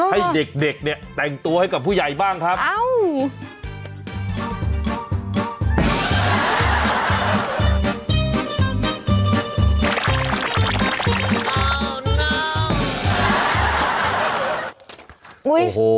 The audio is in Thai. ให้เด็กเนี่ยแต่งตัวให้กับผู้ใหญ่บ้างครับ